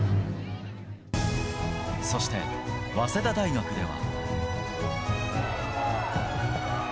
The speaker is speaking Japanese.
そして、早稲田大学では。